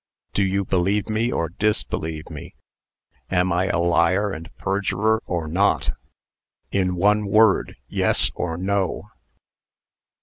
Do you believe me, or disbelieve me? Am I a liar and perjurer, or not? In one word; yes, or no!"